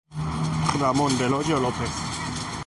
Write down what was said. Ramón del Hoyo López.